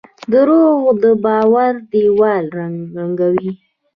دروغ د باور دیوال ړنګوي.